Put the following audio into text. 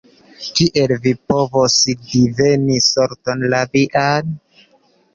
Kiel mi povas diveni sorton la vian?